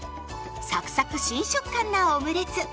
サクサク新食感なオムレツ。